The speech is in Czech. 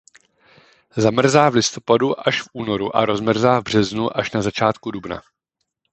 Zamrzá v listopadu až v únoru a rozmrzá v březnu až na začátku dubna.